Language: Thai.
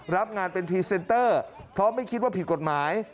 รับงานเป็นพรีเซนเตอร์เพราะไม่คิดว่าผิดกฎหมาย